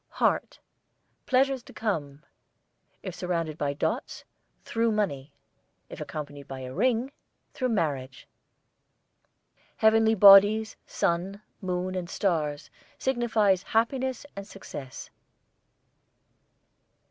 HEART, pleasures to come; if surrounded by dots, through money; if accompanied by a ring, through marriage. HEAVENLY BODIES, SUN, MOON AND STARS, signifies happiness and success.